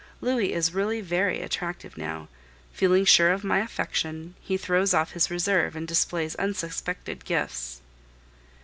Louis is really very attractive now. Feeling sure of my affection, he throws off his reserve and displays unsuspected gifts.